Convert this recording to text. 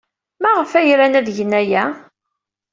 Maɣef ay ran ad gen aya?